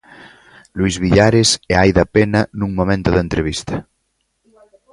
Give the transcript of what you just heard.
Luis Villares e Aida Pena nun momento da entrevista.